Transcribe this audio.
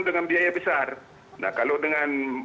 dengan biaya besar nah kalau dengan